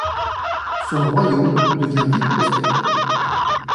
Son royaume devient vite prospère.